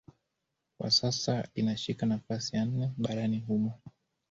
Kwa sasa linashika nafasi ya nne barani humo